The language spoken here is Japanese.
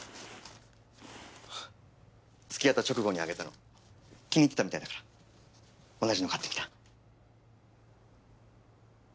つきあった直後にあげたの気に入ってたみたいだから同じの買ってみた。